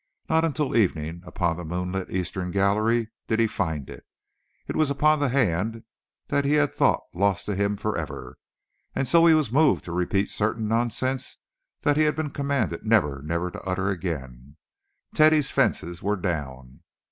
Not until evening, upon the moonlit eastern gallery, did he find it. It was upon the hand that he had thought lost to him forever, and so he was moved to repeat certain nonsense that he had been commanded never, never to utter again. Teddy's fences were down.